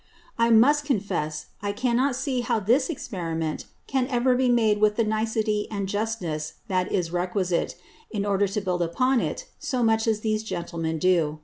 I must confess I cannot see how this Experiment can ever be made with the nicety and justness that is requisite, in order to build upon it so much as these Gentlemen do.